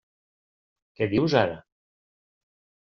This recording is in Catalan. Què dius ara!